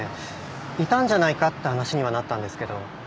いたんじゃないかって話にはなったんですけど。